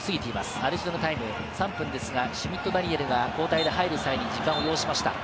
アディショナルタイム、３分ですが、シュミット・ダニエルが交代で入る際に時間を要しました。